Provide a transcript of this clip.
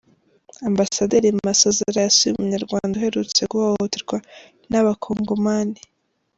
Ambasaderi Masozera yasuye Umunyarwanda uherutse guhohoterwa n’Abakongomani